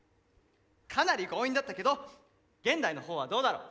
かなり強引だったけど現代のほうはどうだろう？